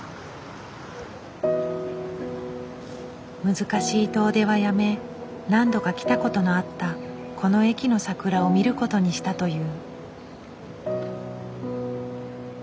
難しい遠出はやめ何度か来たことのあったこの駅の桜を見ることにしたという。